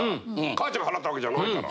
母ちゃんが払った訳じゃないから。